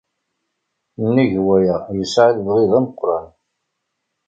Nnig waya, yesɛa lebɣi d ameqran.